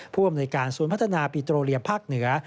ผู้อำนวยการศูนย์พัฒนาปิโตเรียภาคเหนือ